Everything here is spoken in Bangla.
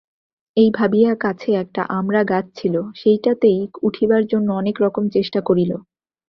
এই ভাবিয়া কাছে একটা আমড়া গাছ ছিল, সেইটাতেই উঠিবার জন্য অনেকরকম চেষ্টা করিল।